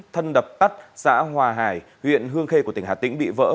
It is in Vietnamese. thân đập tắt xã hòa hải huyện hương khê của tỉnh hà tĩnh bị vỡ